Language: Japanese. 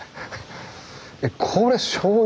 えこれしょうゆ